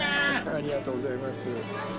ありがとうございます。